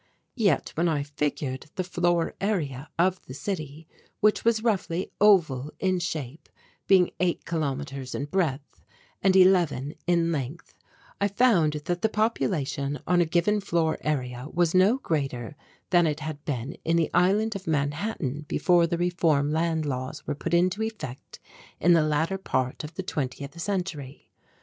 Yet, when I figured the floor area of the city, which was roughly oval in shape, being eight kilometres in breadth and eleven in length, I found that the population on a given floor area was no greater than it had been in the Island of Manhattan before the reform land laws were put into effect in the latter part of the Twentieth Century.